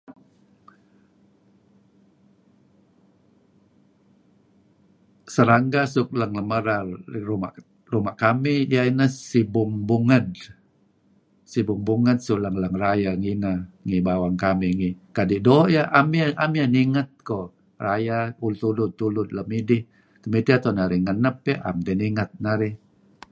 Serangga suk leng-leng merar ngi ruma' kamih iyeh ineh sibung bunged, sibung bunged suk leng-leng rayeh ngi bawang kamih kadi' doo' iyeh am iyeh ninget koh, rayeh tulud-tulud lem idih. Temidteh tu'en narih ngenep iyeh am tiyeh ninget narih.